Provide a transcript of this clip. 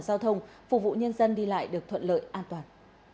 giao thông phục vụ nhân dân đi lại được thuận lợi an toàn